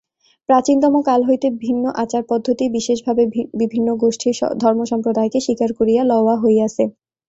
প্রাচীনতম কাল হইতে ভিন্ন আচার-পদ্ধতি, বিশেষভাবে বিভিন্ন গোষ্ঠীর ধর্মসম্প্রদায়কে স্বীকার করিয়া লওয়া হইয়াছে।